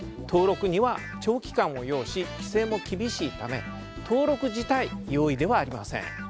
登録には長期間を要し規制も厳しいため登録自体容易ではありません。